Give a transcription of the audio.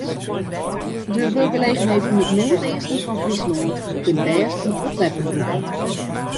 De wurkgelegenheid yn it noardeasten fan Fryslân kin bêst in oppepper brûke.